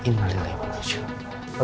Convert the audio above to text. bagus saya komisi dulu pak